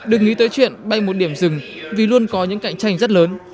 đừng nghĩ tới chuyện bay một điểm rừng vì luôn có những cạnh tranh rất lớn